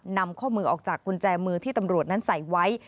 นำข้อมือออกจากกุญแจมือที่ตำรวจนั้นใส่ไว้